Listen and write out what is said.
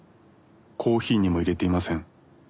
コーヒーにも入れていません。